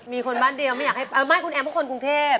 มีคนบ้านเดียวไม่อยากให้ไปเออไม่คุณแอมพวกคนกรุงเทพ